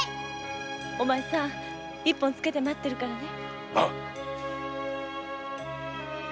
お前さん一本つけて待ってますからね。